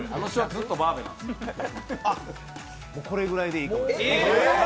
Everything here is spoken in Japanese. これぐらいでいいかと。